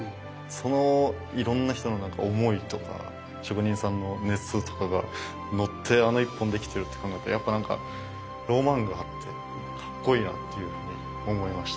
そのいろんな人の思いとか職人さんの熱とかがのってあの一本できてるって考えるとやっぱなんかロマンがあってかっこいいなというふうに思いました。